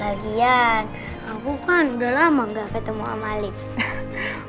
lagian aku kan udah lama gak ketemu om alief